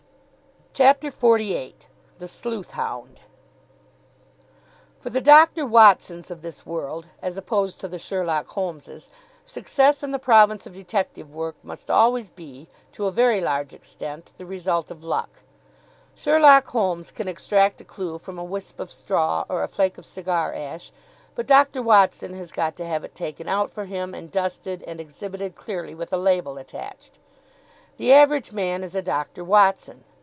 CHAPTER XLVIII THE SLEUTH HOUND For the Doctor Watsons of this world, as opposed to the Sherlock Holmeses, success in the province of detective work must always be, to a very large extent, the result of luck. Sherlock Holmes can extract a clue from a wisp of straw or a flake of cigar ash. But Doctor Watson has got to have it taken out for him, and dusted, and exhibited clearly, with a label attached. The average man is a Doctor Watson.